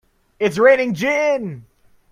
It's raining gin!